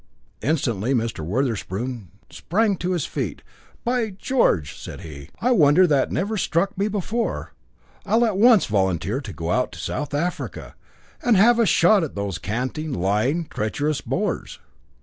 Instantly Mr. Wotherspoon sprang to his feet. "By George!" said he. "I wonder that never struck me before. I'll at once volunteer to go out to South Africa, and have a shot at those canting, lying, treacherous Boers.